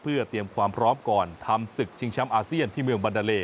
เพื่อเตรียมความพร้อมก่อนทำศึกชิงแชมป์อาเซียนที่เมืองบรรดาเล